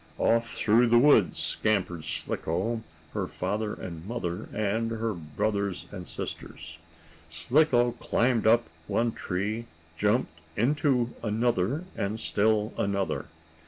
Off through the woods scampered Slicko, her father and mother and her brothers and sister. Slicko climbed up one tree, jumped into another, and still another.